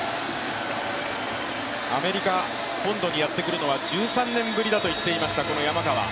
アメリカ本土にやってくるのは１３年ぶりだと言っていました山川。